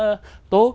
vang tiếng chim ca